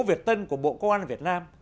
việt tân của bộ công an việt nam